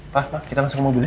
pak kita langsung ke mobil ya